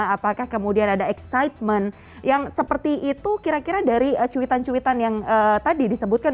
apakah kemudian ada excitement yang seperti itu kira kira dari cuitan cuitan yang tadi disebutkan